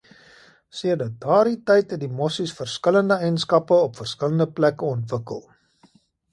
Sedert daardie tyd het die mossies verskillende eienskappe op verskillende plekke ontwikkel.